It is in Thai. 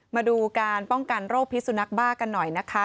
มาดูการป้องกันโรคพิสุนักบ้ากันหน่อยนะคะ